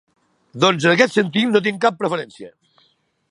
Doncs en aquest sentit no tinc cap preferència.